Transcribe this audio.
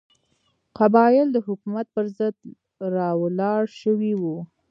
قبایل د حکومت پر ضد راولاړ شوي وو.